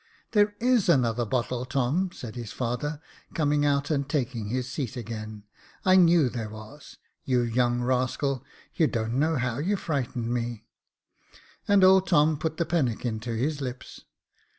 " There is another bottle, Tom," said his father, coming out and taking his seat again. I knew there was. You young rascal, you don't know how you frightened me !" And old Tom put the pannikin to his lips.